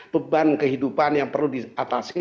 beban kehidupan yang perlu diatasi